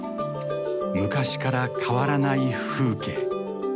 昔から変わらない風景。